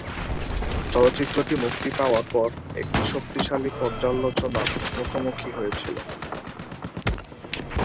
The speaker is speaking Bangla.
চলচ্চিত্রটি মুক্তি পাওয়ার পর এটি শক্তিশালী পর্যালোচনার মুখোমুখি হয়েছিল।